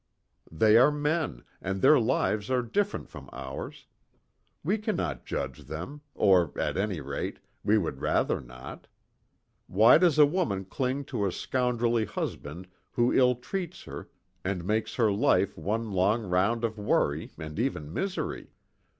They are men, and their lives are different from ours. We cannot judge them, or, at any rate, we would rather not. Why does a woman cling to a scoundrelly husband who ill treats her and makes her life one long round of worry, and even misery?